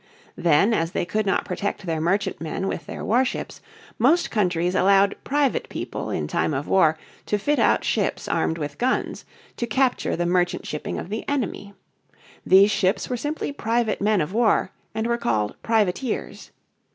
Then, as they could not protect their merchantmen with their warships, most countries allowed private people in time of war to fit out ships armed with guns to capture the merchant shipping of the enemy. These ships were simply private men of war, and were called privateers.